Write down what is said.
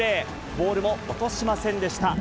ボールも落としませんでした。